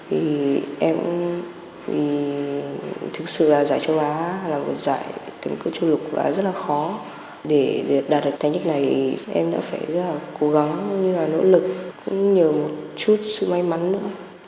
để đạt được thành tích này em đã phải rất là cố gắng rất là nỗ lực cũng nhiều một chút sự may mắn nữa